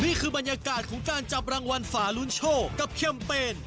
นี่คือบรรยากาศของการจับรางวัลฝาลุ้นโชคกับแคมเปญ